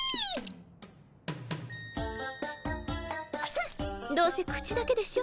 フンどうせ口だけでしょ。